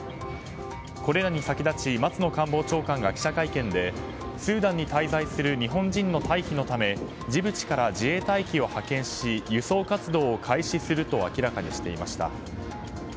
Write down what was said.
これらに先立ち松野官房長官が記者会見でスーダンに滞在する日本人の退避のためジブチから自衛隊機を派遣し輸送活動を開始すると明らかにしていました。